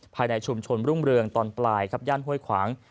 ภายในชุมชนรุ่งเรืองตอนปลายครับย่านห้วยขวาง